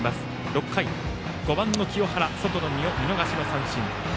６回、５番の清原外の見逃しの三振。